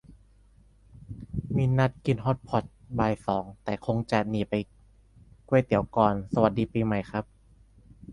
มีนัดกินฮอตพอตบ่ายสอง แต่คงจะหนีไปก๋วยเตี๋ยวก่อน สวัสดีปีใหม่ครับ